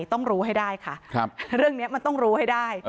ต้องรู้ให้ได้ค่ะเรื่องนี้มันต้องรู้ให้ได้